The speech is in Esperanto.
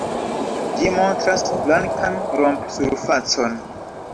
Ĝi montras blankan romp-surfacon.